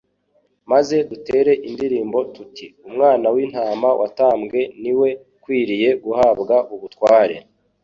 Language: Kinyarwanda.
maze dutere indirimbo tuti, “Umwana w’Intama watambwe ni we ukwiriye guhabwa ubutware